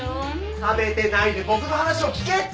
食べてないで僕の話を聞けって！